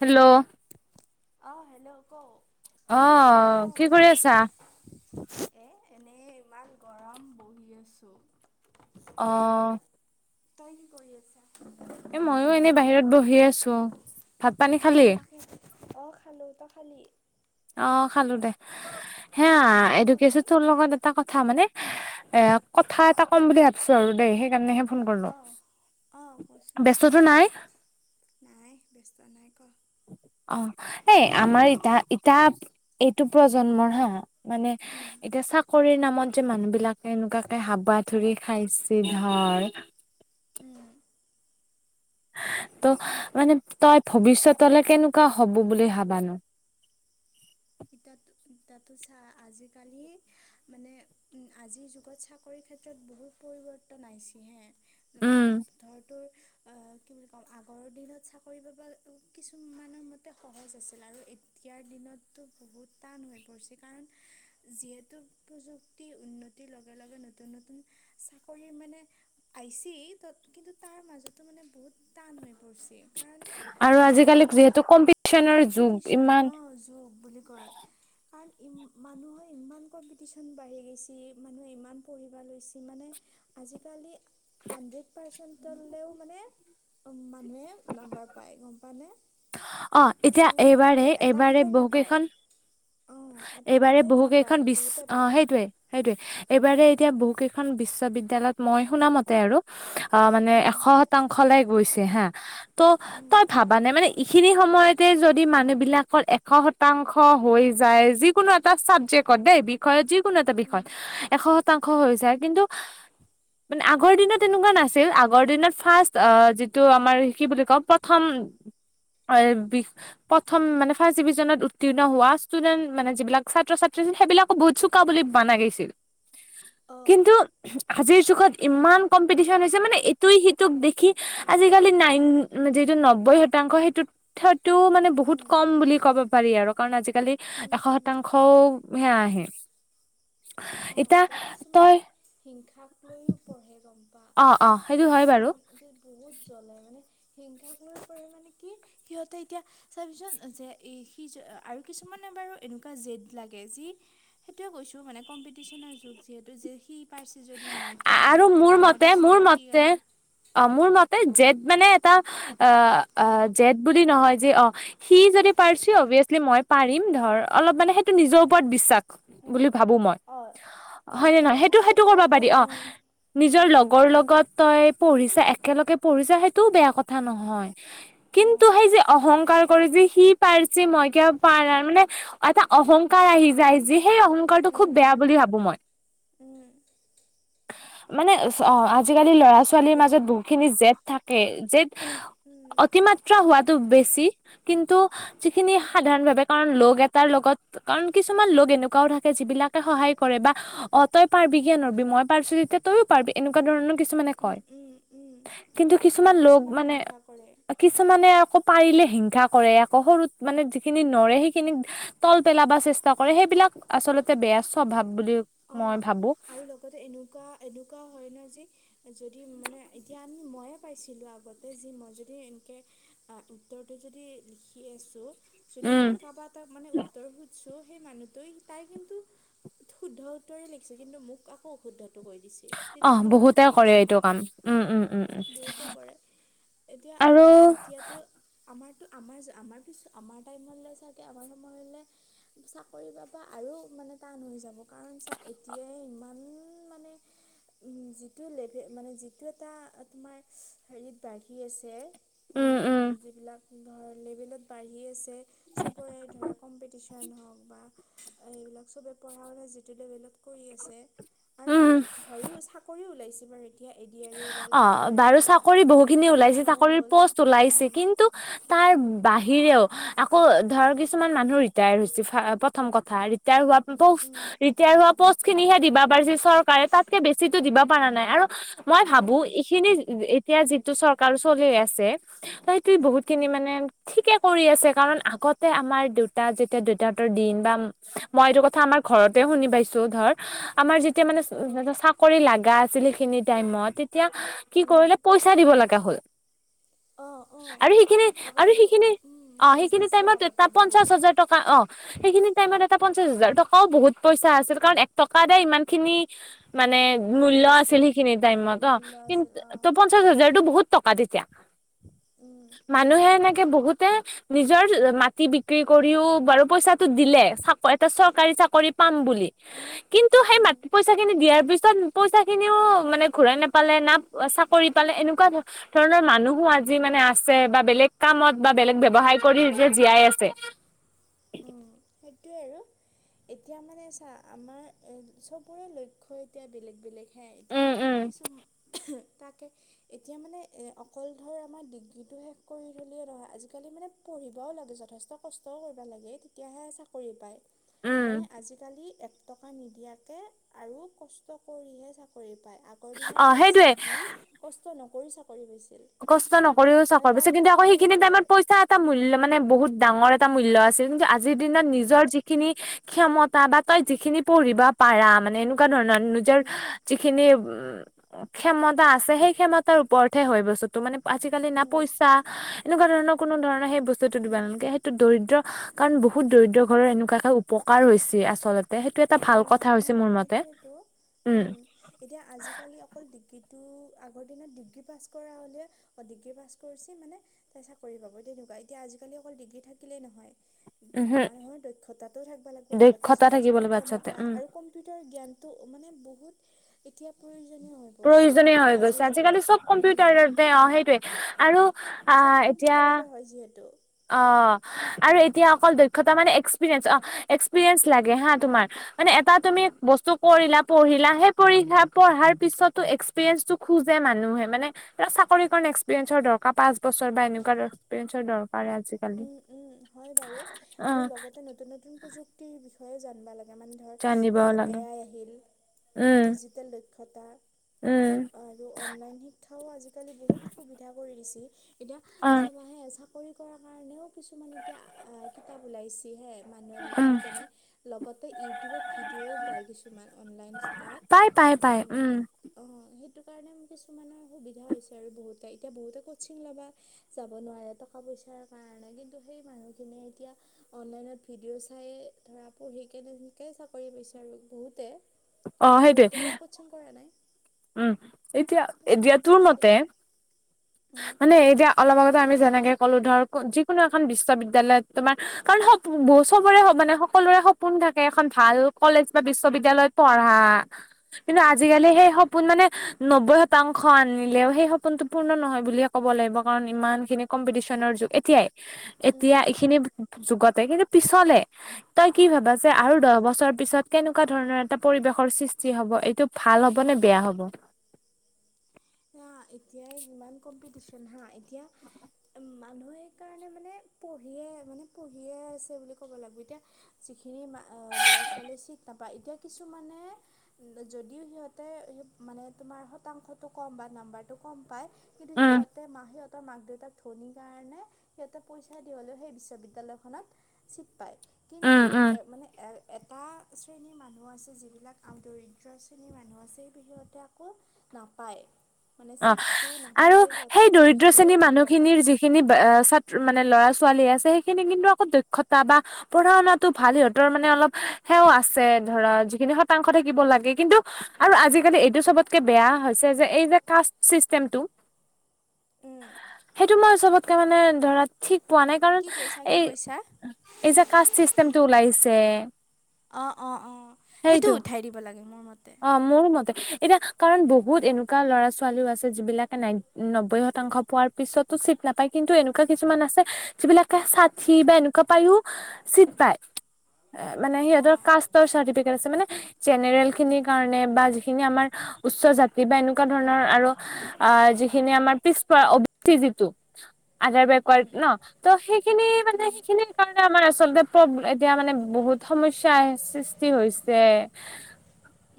Hello আহ hello ক অ অঁ কি কৰি আছা এ এনেই ইমান গৰম বহি আছোঁ আহ তই কি কৰি আছ এ মইো এনে বাহিৰত বহি আছো ভাত পানী খালি আহ তাকে আহ খালো তই খালি অ খালো দে হে উম উম এইদোকছো কচোন তোৰ লগত এটা কথা মানে এ কথা এটা ক'ম বুলি ভাবছো আৰু দেই কাৰণেহে ফোন কৰিলো, অঁ অঁ কচোন ব্যস্ততো নাই? নাই ব্যস্ত নাই ক অ, এই আমাৰ ইতা-ইতা এইটো প্ৰজন্মৰ হা। মানে উম এতিয়া চাকৰিৰ নাম মতযে মানুহ বিলাকে এনেকুৱাকে হাবা ধুৰি খাইছে নহয়। [inaudible] ত' মানে তই ভৱিষ্যতলৈ কেনেকুৱা হ'ব বুলি ভাবানো? [unintelligible] ইতাতো-ইতাতো চা আজিকালি মানে উ, আজিৰ যুগত চাকৰিত ক্ষেত্ৰত বহুত পৰিৱৰ্তন আহিছে হে মানে উম ধৰ তোৰ অ, কি বুলি ক'ম আগৰ দিনত চাকৰি পাবল উ, কিছুমানৰ মতে সহজ আছিল আৰু এত তিয়াৰ দিনত বহুত টান হৈ পৰিছে কাৰণ যিহেতু পোযুক্তি উন্নতিৰ লগে লগে নতো নতুন চাকৰি মানে আইচি ত-কিন্তু তাৰ মাজতো মানে বহুত টান হৈ অইছে কাৰণ আৰু আজিকালি যিহেতু চাবিচোন, কম্পিটিচনৰ যুগ কম্পিটিশ্যন ইমান অ', যোগ। ঘৰ। কাৰণ ই-মানুহৰ ইমান কম্পিটিশ্যন বাঢ়ি গৈছে মানুহে ইমান পঢ়িব লৈছে মানে আজিকালি হাণ্ড্ৰেড পাৰ্চেণ্টলৈও মানে উম, মানুহে নাম্বাৰ পায় গম পাওঁ নে? অ এতিয়া এইবাৰে এটা এইবাৰে দুটাই বহু নাপায় কেইখন অঁ এটা এইবাৰে দুটাইও বহু কেইখন নাপায় বিশ্ব বহুতে অ পায় সেইটয়েই সেইটোয়ে এইবাৰে এতিয়া বহু কেইখন বিশ্ববিদ্যালয়ত মই শুনা মতে আৰু অ, মানে এশ উম শতাংশ লৈ গৈছিল। হা, ত', উম তই ভাবা নে মানে এইখিনি সময়তে যদি মানুহ বিলাকৰ এশ শতাং উখ, হয়্যিজ যায়, যিকোনো এটা চাবজেক্টত দেই বিষয়ত যিকোনো এটা বিষয়ত উম এশ শতাংশ হৈ যায় কিন্তু [inaudible] মানে আগৰ দিনত এনেকুৱা নাছিল আগৰ দিনত ফাৰ্ষ্ট আ, যিটো আমাৰ কি বুলি ক', প্ৰথম হয় বি-প্ৰথম মানে ফাৰ্ষ্ট ডিভিজনত উত্তীৰ্ণ হোৱা ষ্টুডেণ্ট মানে যিবিলাক ছাত্ৰ ছাত্ৰী আছিল সেইবিলাকো বহুত চোকা বুলি বানা গেইছিল। অঁ কিন্তু আজিৰ যুগত ইমান কম্পিটিশ্যন হৈছে মানে এইটুই সিটোক দেখি আ' আজিকালি নাইন-যিহটো নব্বৈ শতাংশ সেইটোত থাৰ্ডটো মানে বহুত উম কম বুলি ক'ব পাৰি। এৰ'কাৰণে আজিকালি উম এশ উম শতাংশও হে আহে। অ, এতিয়া তই কিছুমানে হিংসাক লৈও পঢ়ে। চম্পা অ অ সেইটো আৰু হয় বাৰু কিছুমান কি-বহুত জ্বলে মানে হিংসাক লৈ কৰে মানে কি সিহঁতে এতিয়া চাবিচোন যে-এ-সি-জি আৰু কিছুমান মানে বাৰু এনেকুৱা জেদ লাগে যি সেইটোৱে কৈছোঁ মানে কম্পিটিশ্যন যুগ যিহেতু যে সি পাইছে যদি মই কিয় আৰু নৰো? মোৰ বা মই মতে পাইছো মোৰ যদি সি কিয় নৰে? জেট মানে এটা আ-আ জেট বুলি নহয় যে অ, সি যদি পাৰছে অভিয়েছলি মই পাৰিম ধৰ অলপ মানে সেইটো নিজৰ ওপৰত বিশ্বাস। উম, বুলি ভাবো মই, অঁ হয় নিজৰ নে নহয় ওপৰত সেইটো হেইট বিশ্বাস কৰিব কৰাটো পাৰি অ, উম নিজৰ উম লগৰ লগত তই পঢ়িছা একেলগে পঢ়িছা সেইটো বেয়া কথা নহয়, কিন্তু উম সেই যে অহংকাৰ কৰি সি পাৰছে মই কিয় পাৰা মানে এটা অহংকাৰ আহি যায় যি সেই অহংকাৰটো খুব উম বেয়া উম বুলি ভাবো মই। [inaudible] মানে অ, এতিয়া আজিকালি ল'ৰা ছোৱালীৰ এ মাজত বহুখিনি জেট থাকে জেট উম অতিমাত্ৰা হোৱাত তুব বেছি কিন্তু যিখিনি সাধাৰণ ভাৱে কাৰণ ল'গ এটাৰ লগত কাৰণ কিছুমান ল'গ তো তেনেকুৱাও থাকে যিবিলাকে সহায় কৰে বা অতই পাৰ্বিক। কিয় নৰবি মই পাৰছো যেতিয়া তইও পাৰ্বি এনেকুৱা ধৰণৰ কিছুমানে উম কয়, উম উম কিন্তু কিছুমান আৰু ল'গ মানে, হিংসা কৰে। কিছুমানে আকৌ পাৰিলে হিংসা কৰে আকৌ সৰুত মানে যিখিনি নৰে সেইখিনিক তল পেলাব চেষ্টা কৰে সেইবিলাক [unintelligible] আচলতে বেয়া স্বভাৱ বুলি মই অ' ভাবো আৰু লগতে এনেকুৱা এনেকুৱা হয় ন যি যদি মানে এতিয়া আমি ময়ে [unintelligible] পাইছিলোঁ আগতে যি মই যদি এনেকৈ উত্তৰটো যদি লিখি আছোঁ যদি উম মই কাৰোবা এটাক মানে উত্তৰ সুধছো সেই মানুহটে তাই কিন্তু শুদ্ধ উত্তৰেই লিছে কিন্তু মোক আকৌ অসুন্ধ দিছে অহ তেনেকুৱাও বহুতে থাকে কৰে এইটো কিছুমান কাম উম উম উম উম বহুতে কৰে এতিয়া আৰু এতিয়াতো আমাৰ আমাৰ আমাৰ কিছ আমাৰ টাইমলৈ চাগে আমাৰ সময়লৈ চাকৰি পাব আৰু মানে টান হৈ যাব কাৰণ চা এতিয়াই ইমান মানে যিটো লেভেল মানে যিটো এটা তোমাৰ হেৰিত বাঢ়ি আছে উম উম যিবিলাক [inaudible] যিবিলাক বাঢ়ি আছে চবৰে ধৰা কম্পিটিচন হওক বা এইবিলাক পঢ়া শুনা যে- কৰি আছে আৰু উম বাৰু চাকৰিও ওলাইছে বাৰু। এতিয়া এ ডি আৰ ই ওলাল অ এ ডি আৰ বাৰু ই চাকৰি বহুখিনি টু ওলাইছে পইণ্ট অ' চাকৰিৰ হ'ল পষ্ট ওলাইছে উম কিন্তু তাৰ উম বাহিৰেও আকৌ ধৰ কিছুমান মানুহ ৰিটায়াৰ হৈছে প্ৰথম কথা ৰিটায়াৰ হোৱা পোষ্ট উম ৰিটায়াৰ হোৱা পষ্ট খিনিহে দিবা পাৰিছিল চৰকাৰে তাতকে বেছিিতো দিব পাৰা নাই আৰু। মই ভাবো উম এইখিনি এতিয়া যিটো চৰকাৰ চলি আছে ত সেইটো উম বহুতখিনি মানে ঠিকে কৰি আছে কাৰণ আগতে আমাৰ দেউতা যেতিয়া দেউতাহতৰ দিন বা মইটো কথা আমাৰ ঘৰতে শুনি পাইছো ধৰ, আমাৰ যেতিয়া মানে অ' চাকৰি লাগা আছিলে সেইখিনিত টাইমত তেতিয়া কি উম কৰিলে পইচা দিব লগা হ'ল। অ। অ' আৰু সেইখিনি আগতে আৰু ব সেইখিনি উম, অ ঘোচ সেইখিনি দিছিল টাইমত আগতে এটা বহুত পঞ্চাশ হাজাৰ টকা অ সেইখিনি টাইমত এটা পঞ্চাশ হাজাৰ টকাও বহুত। পইচা আছিল কাৰণ এক টকা দ ইমান খিনি মানে মূল্য আছিল সেইখিনি টাইম ত উম মূল্য কিন্ত আছিল অ' ত পঞ্চাশ হাজাৰ টো বহুত টকা তেতিয়া। উম, মানুহে এনেকে বহুতে নিজৰ মাটি বিক্ৰী কৰিও বাৰু পইচাটো দিলে চ এটা চৰকাৰী চাকৰি পাম বুলি। কিন্তু সেই ম উম। পইচা খিনি দিয়াৰ পিছত পইচা খিনিও মানে ঘূৰাই নোপালে না চাকৰি পালে এনেকুৱা ধৰণৰ মানুহো আজি মানে আছে বা বেলেগ বেলেগ কামত বা বেলেগ ব্যৱসায় কৰি জীয়াই আছে। সেইটোৱেই আৰু। এতিয়া মানে চা আমাৰ এ চবৰে লক্ষ্য এতিয়া বেলেগ বেলেগ। হয় যা উম উম কিছু তাকে এতিয়া মানে এ অকল ধৰ আমাৰ ডিগ্ৰীটো শেষ কৰি থলে নহয় আজিকালি মানে পঢ়িব লাগে যথেষ্ঠ কৰিব ও লাগে। তেতিয়াহে চাকৰি পাই উম মানে আজিকালি টকা নিদিয়াকে আৰু কষ্ট কৰিহে চাকৰি আগৰ দিনত অ পইচা সেইটোয়ে দি কষ্ট নকৰি চা কষ্ট নকৰিও চাকৰ পিচ কিন্তু আকৌ পাৰ্থক্যটো সেইখিনি সেইটোৱে টাইমত পইচা এটা মূল্য মানে বহুত ডাঙৰ। এটা মূল্য আছিল কিন্তু আজিৰ দিনত উম, নিজৰ যিখিনি ক্ষমতা বা তই যিখিনি পঢ়িব পাৰা মানে এনেকুৱা ধৰৰ নিজৰ উম, যিখিনি কমতা আছে সেই কমতাৰ ওৰত হে হয় বস্তুতটো মানে আজিকালি না উম, পইচা এনেকুৱা ধৰণৰ কোনো ধৰণৰ সেই বস্তুটো দিব উম। নালাগে সেইটো দৰিদ্ৰ কাৰণ বহুত দৰিদ্ৰ ঘৰ এনেুৱা একটা উপ কাৰ হৈছে আচলতে। সেইটো এটা অ ভাল কথা অ হৈছে মোৰ মতে সেইটোয়েতো উম এতিয়া আজিকালি অকল ড [inaudible] আগৰ দিনত ডিগ্ৰী পাছ কৰা হলে অ ডিগ্ৰী পাছ কৰিছে মানে তাই চাকৰি পাব তেনেকুৱা এতিয়া আজি কালি অকল ডিগ্ৰী থাকিলেই নহয় উহু মানুহৰ দক্ষতাটোও থাকিব লাগিব লগতে দক্ষতা থাকিব যোগাযোগৰ লাগিব আচলতে ক্ষমতা উম আৰু কম্পিউটাৰ জ্ঞানটো মানে বহুত এতিয়া হৈ পৰিছে প্ৰয়োজ হৈ আজিৰ গৈছে আজিকালি যুগত চব উম কম্পিউটাৰতে অ সেইটোয়ে আৰু আহ চব এতিয়া কম্পিউটাৰ এ হয় যিহেতু। অ আৰু এতিয়া অকল দক্ষতা মানে এক্সপিৰিয়েঞ্চ অ এক্সপিৰিয়েঞ্চ লাগে হা তোমাৰ। মানে এটা তুমি উম বস্তু কৰিলা পঢ়িলা সেই পঢ়িলা পঢ়াৰ পিছতো এক্সপিৰিয়েন্ঞ্চ টো খোজে মানুহে মানে চাকৰি কাৰণ এক্পিৰিয়েঞ্চৰ দৰকাৰ পাঁচ বছৰ বা এনেকুৱা এক্পিৰিয়েঞ্চৰ দৰকাৰ। আজিকালি উম উম হয় বাৰু অ আৰু লগতে নতুন নতুন প্ৰযুক্তিৰ বিষয়ে জানবা লাগে মানে ধৰ জানিব এ লাগে আই আহিল উম ডিজিটেল দক্ষতা উম আৰু অনলাইন শিক্ষাও আজিকালি বহুত সুবিধা কৰি দিছে। এতিয়া অ চাবাহে চাকৰি কৰাৰ কাৰণেও কিছুমান এতিয়া কিতাপ ওলাইছেহে। মানুহে উম লিখি কেনে লগতে ইউটিউবত ভিডিঅ'ও পায় কিছুমান অনলাইনত পাই পাই যি পাই মানে উম অ সেই সেইটো কাৰণে কিছুমানৰ সুবিধা হৈছে আৰু বহুতে এতিয়া বহুতে কচিং ল'বা যাব নোৱাৰে টকা পইচাৰ কাৰণে উ কিন্তু সেই মানুহ খিনিয়ে এতিয়া অনলাইনত ভিডিঅ' চাইে ধৰা পঢ়িকে নিকে চাকৰি পাইছ বু অ আৰু সেইটোৱে বহুতে বাৰু ক কৰা নাই উম এতিয়া এয়া তেনেকৈও ত পাইছে মতেে আমি যেনেকে ক'লো ধৰ যিকোনো এখন বিশ্ববিদ্য়ালয়ত তোমাৰ কাৰণ স চবৰে মানে সকলোৰে সপোন থাকে এখন ভাল কলেজ বা বিশ্ববিদ্য়ালয়ত পঢ়া কিন্তু আজিকালি সেই সপোন মানে নব্বৈ শতাংশ আনিলেও সেই সপোনতো পূৰ্ণ নহয় বুলিয়ে ক'ব লাগিব কাৰণ ইমানখিনি কম্পিটিশ্যনৰ যুগ এতিয়াই এতিয়া এইখিনি যুগতে কিন্তু পিছলে তই কি ভাবা যে আৰু দহ বছৰ পিছত কেনেকুৱা ধৰণৰ এটা পৰিবেশৰ সৃষ্টি হব এইটো ভাল হব নে বেয়া হব হা এতিয়াই ইমান কম্পিটিচন হা এতিয়া মানুহে সকাৰণে মানে পঢ়িয়ে মানে পঢ়িয়ে আছে বুলি ক'ব লাগিব এতিয়া যিখিনি ালিক নাপায় এতিয়া কিছুমানে যদিও সিহঁ তমাৰ শতাংশটো কম বা নাম্বাৰটো কম পায় কিন্তু উম সিহতে মাহ সিহতৰ মাক দেউতাক ধনীৰ কাৰণে সিহঁতে পইচা দি হলেও সেই বিশ্ববিদ্য়ালয়খননত চিট পায় উম কিন্তু উম এ মানে এ এটা শ্ৰেণীৰ মানুহ আছে যিবিলাক আ দৰিদ্ৰ শ্ৰেণীৰ মানুহ আছে সেই বিহতে আকৌ ন পায় অ আৰু সেই দৰিদ্ৰ যদিও শ্ৰেণীৰ নাম্বাৰ মানুহখিনিৰ পায় যিখিনি ছাত্ৰ মান ল'ৰা ছোৱালী আছে সেইখিনি কিন্তু আকৌ দক্ষতা বা পঢ়া শুাতো ভাল সিহঁতৰ মানে অলপ সেৱা আছে ধৰা যিখিনি শতাংশ থাকিব লাগে কিন্তু আৰু আজিকালি এইটো চবতকে বেয়া হৈছে যে এই যে কষ্ট চিষ্টেমটো উম সেইটো মই চবতকে মানে ধৰা ঠিক পোৱা নাই কাৰণ কি কৈছা কি এই কৈছা এই যে কাষ্ট চিষ্টেমটো ওলাইছে অ অ অ সেইটো অ মোৰো মতে এতিয়া কাৰণ বহুত অঁ এনেকুৱা ল'ৰা ছোৱালী ালও আছে যিবিলাকে ন নব্বৈ শতাংশ পোৱাৰ পিছতো চিট নাপায় কিন্তু এনেকুৱা কিছুমান আছে স বিিলাকে চাঠি বা এনেকুৱা পায়ও চিট পায় মানে সিহতৰ অঁ কাৰ চ মান জেনেল খিৰ কাৰণ বা যিখিন আমাৰ উচ্চ জাতি বা এনেকুৱা ধৰণৰ যিখি ব উম ন ত সেইখিনি মানে উম সেইখিনিৰ কাৰণে আমাৰ আচল্ততে এতিয়া মানে বহুত সমস্যা আহিছে সৃষ্টি হৈছে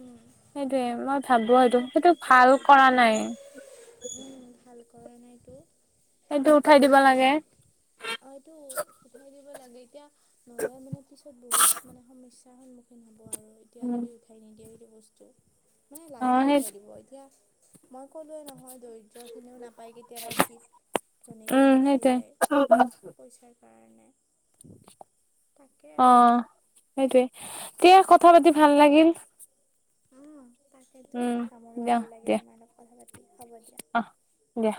উম সেইটয়ে মই ভাবো অঁ সেইটো সেইটো সেইটোৱেতো ভাল কৰা এতিয়া নাই মানে উম ভাল কৰা নাইতো সেইটো উঠাই দিব মানে লাগে হয়তটো উঠাই দিব লাগে এতিয়া নলে মানে পিছত বহুত মানে সমস্যাৰ সন্মুখীন হ'ব আৰু এতিয়া উম যদি উঠাই নিদিয়ে বসু মানে অ লাগে সেই উঠাই দিব এতিয়া মই ক'লোৱৱেই নহয় দৰিদ্ৰখিনিও নাপায় কেতিয়াবা চিট উম ধনীখিনিয়ে পাই সেইটোৱে যায় পইচাৰ কাৰণে তাকে [inaudible] অ আৰু সেইটোৱে তেয়া কথা পাতি ভাল লাগিল সেইটো উম ভামৰো দিয়া ভাল লাগিল দিয়া তোমাৰ লগপ কথা পাতি হ'ব দিয়া অ দিয়া